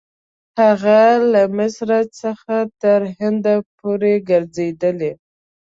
هغه له مصر څخه تر هند پورې ګرځېدلی.